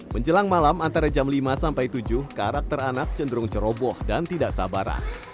menjelang malam antara jam lima sampai tujuh karakter anak cenderung ceroboh dan tidak sabaran